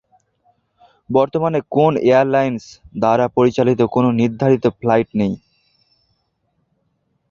বর্তমানে কোন এয়ারলাইন্স দ্বারা পরিচালিত কোন নির্ধারিত ফ্লাইট নেই।